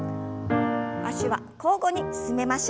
脚は交互に進めましょう。